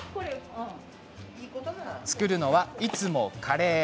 作るのは、いつもカレー。